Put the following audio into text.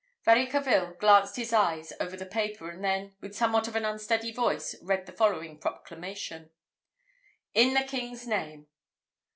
Varicarville glanced his eyes over the paper, and then, with somewhat of an unsteady voice, read the following proclamation: "_In the king's name!